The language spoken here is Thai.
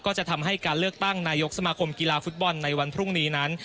ก็จะทำให้การเลือกตั้งนายกสมาคมกีฬาฟุตบอลในวันพรุ่งนี้นั้น